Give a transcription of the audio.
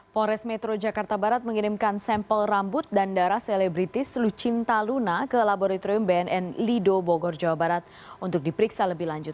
polres metro jakarta barat mengirimkan sampel rambut dan darah selebritis lucinta luna ke laboratorium bnn lido bogor jawa barat untuk diperiksa lebih lanjut